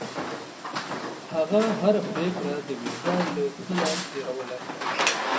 هغه هره پرېکړه د وجدان له تله تېروله.